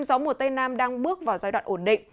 gió mùa tây nam đang bước vào giai đoạn ổn định